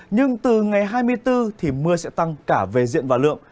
nhưng từ ngày hai mươi bốn thì mưa sẽ tăng cả về diện và lượng